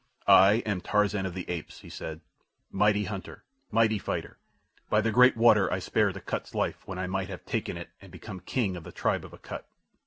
"I am Tarzan of the Apes," he said, "Mighty hunter. Mighty fighter. By the great water I spared Akut's life when I might have taken it and become king of the tribe of Akut.